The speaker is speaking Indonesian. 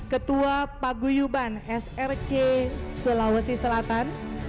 ketua paguyuban src sulawesi selatan